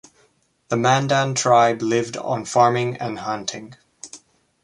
The Mandan tribe lived on farming and hunting.